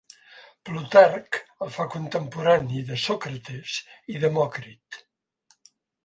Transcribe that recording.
Plutarc el fa contemporani de Sòcrates i Demòcrit.